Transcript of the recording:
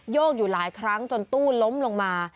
กอยู่หลายครั้งจนตู้ล้มลงมา